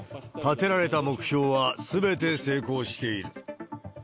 立てられた目標はすべて成功している。